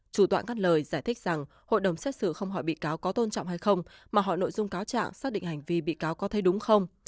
chủ tọa ngắt lời giải thích rằng hội đồng xét xử không hỏi bị cáo có tôn trọng hay không mà hỏi nội dung cáo trạng xác định hành vi bị cáo có thấy đúng không